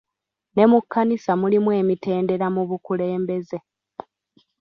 Ne mu kkanisa mulimu emitendera mu bukulembeze.